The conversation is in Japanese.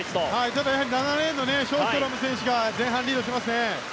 ただ７レーンのショーストロム選手が前半、リードしてますね。